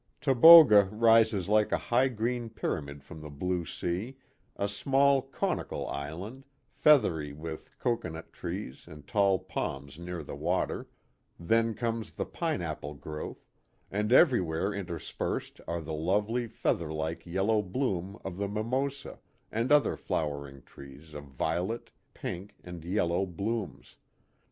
Taboga rises like a high green pyramid from the blue sea, a small conical island ; feathery with cocoanut trees and tall palms near the water, then comes the pine apple growth, and everywhere inter spersed are the lovely feather like yellow bloom of the mimosa and other flowering trees of violet, pink and yellow blooms.